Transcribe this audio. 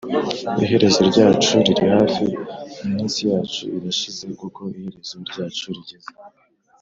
Iherezo ryacu riri hafi, Iminsi yacu irashize, Kuko iherezo ryacu rigeze.